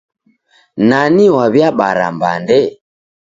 Nani waw'iabara mbande?